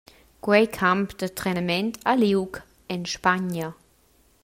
Quei camp da trenament ha liug en Spagna.